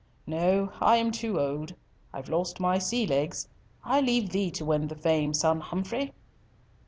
No; I'm too old. I've lost my sea legs. I leave thee to win the fame, son Humfrey!"